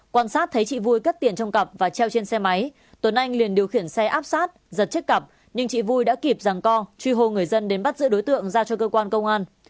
quan sát thấy chị vui cất tiền trong cặp và treo trên xe máy tuấn anh liền điều khiển xe áp sát giật chiếc cặp nhưng chị vui đã kịp rằng co truy hô người dân đến bắt giữ đối tượng ra cho cơ quan công an